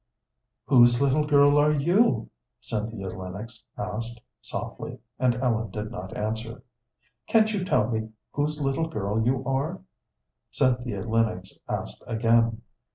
"Whose little girl are you?" Cynthia Lennox asked, softly, and Ellen did not answer. "Can't you tell me whose little girl you are?" Cynthia Lennox asked again.